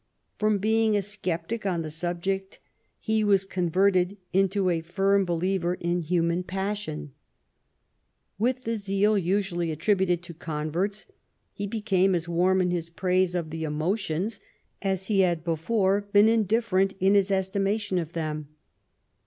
From being a sceptic on the subject, he was converted into a firm believer in human passion. "With the zeal usually attributed to converts, he became as warm in his praise of the emotions as he had before been indifferent in his estimation of them.